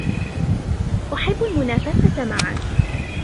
احب المنافسه معك.